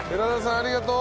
ありがとう。